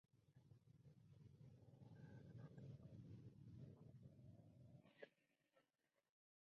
They use methane for their metabolism.